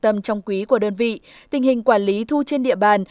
tâm trong quý của đơn vị tình hình quản lý thu trên địa bàn